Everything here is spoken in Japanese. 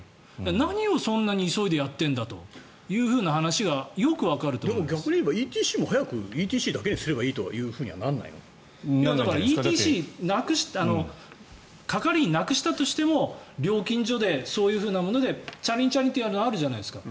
何をそんなに急いでやってるんだという話が逆に言えばＥＴＣも早くＥＴＣだけにすればいいという話にだから、ＥＴＣ係員をなくしたとしても料金所でそういうものでチャリンチャリンというのあるじゃないですか。